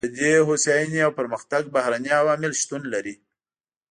د دې هوساینې او پرمختګ بهرني عوامل شتون لري.